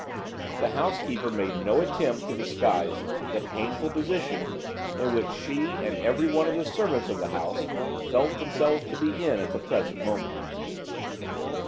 The housekeeper made no attempt to disguise the painful position in which she and every one of the servants of the house felt themselves to be at the present moment.